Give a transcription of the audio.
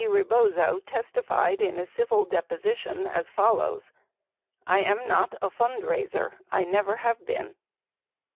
Rebozo testified in a civil deposi tion as follows : "I am not a fundraiser. I never have been."